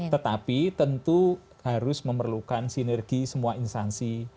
tetapi tentu harus memerlukan sinergi semua instansi